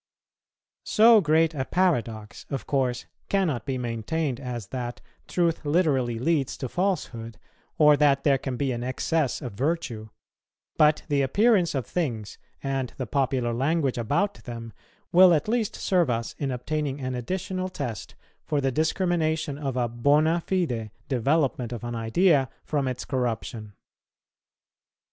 So great a paradox of course cannot be maintained as that truth literally leads to falsehood, or that there can be an excess of virtue; but the appearance of things and the popular language about them will at least serve us in obtaining an additional test for the discrimination of a bonâ fide development of an idea from its corruption.